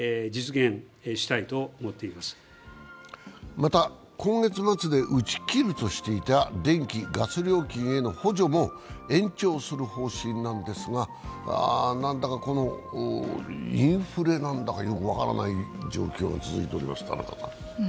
また今月末で打ち切るとしていた電気・ガス料金への補助も延長する方針なんですが、何だか、インフレなんだかよく分からない状況が続いております。